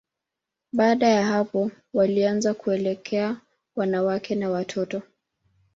Baada ya hapo, walianza kuelekea wanawake na watoto.